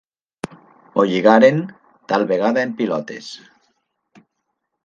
Ho lligaren, tal vegada en pilotes.